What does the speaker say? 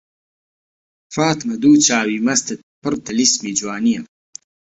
فاتمە دوو چاوی مەستت پڕ تەلیسمی جوانییە